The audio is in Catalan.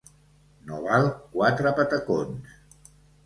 No val quatre patacons.